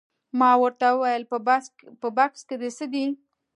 ما ورته وویل په بکس کې دې څه دي؟